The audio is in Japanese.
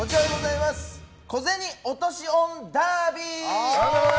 小銭落とし音ダービー！